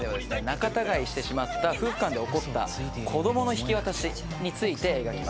仲たがいしてしまった夫婦間で起こった子どもの引き渡しについて描きます。